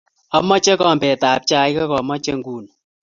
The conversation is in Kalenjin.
Amoche kombet ap chaik ak amache nguni.